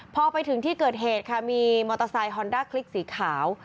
พอไปถึงที่เกิดเหตุค่ะมีมอเตอร์ไซค์ฮอนด้าคลิกสีขาว